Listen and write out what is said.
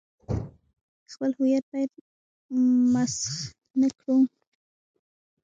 خپل هویت باید مسخ نه کړو.